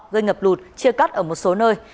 gây ngập lụt chia cắt ở một số nơi